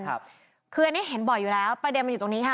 คืออันนี้เห็นบ่อยอยู่แล้วประเด็นมันอยู่ตรงนี้ค่ะ